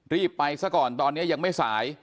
รีบไปซะก่อนตอนนี้ยังไม่สาย